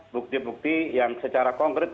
bukti bukti yang secara konkret